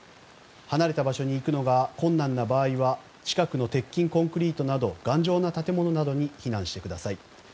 離れた場所に行くのが困難な場合は近くの鉄筋コンクリートなどの頑丈な建物などに避難してください。